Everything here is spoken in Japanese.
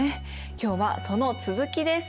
今日はその続きです。